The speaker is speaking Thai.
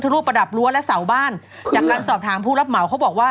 รูปประดับรั้วและเสาบ้านจากการสอบถามผู้รับเหมาเขาบอกว่า